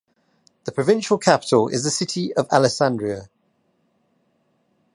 The provincial capital is the city of Alessandria.